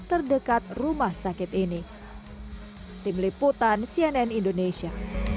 terdekat rumah sakit ini tim liputan cnn indonesia